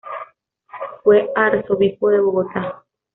Fue Arzobispo de Bogotá.